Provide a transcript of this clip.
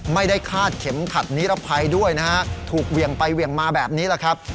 ไม่ได้คาดเข็มขัดนิรภัยด้วยนะฮะถูกเหวี่ยงไปเหวี่ยงมาแบบนี้แหละครับ